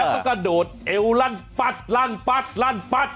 แล้วก็กระโดดเอวลั่นปัดลั่นปัดลั่นปัด